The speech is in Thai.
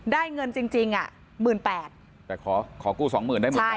เงินจริงจริงอ่ะหมื่นแปดแต่ขอขอกู้สองหมื่นได้หมื่นแปด